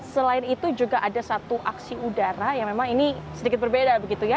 selain itu juga ada satu aksi udara yang memang ini sedikit berbeda begitu ya